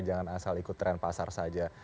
jangan asal ikut tren pasar saja